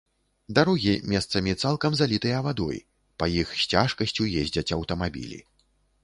Дарогі месцамі цалкам залітыя вадой, па іх з цяжкасцю ездзяць аўтамабілі.